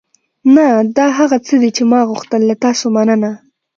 نه، دا هغه څه دي چې ما غوښتل. له تاسو مننه.